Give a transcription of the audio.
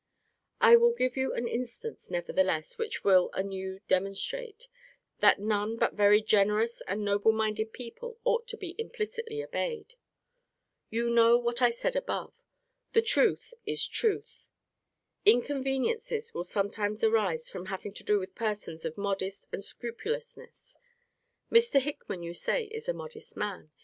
I will give you an instance, nevertheless, which will a new demonstrate, that none but very generous and noble minded people ought to be implicitly obeyed. You know what I said above, that truth is truth. Inconveniencies will sometimes arise from having to do with persons of modest and scrupulousness. Mr. Hickman, you say, is a modest man.